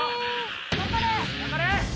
頑張れ！